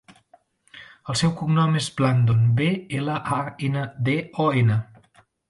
El seu cognom és Blandon: be, ela, a, ena, de, o, ena.